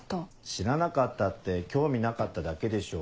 知らなかったって興味なかっただけでしょ。